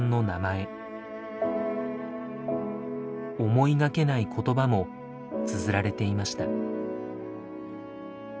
思いがけない言葉もつづられていました。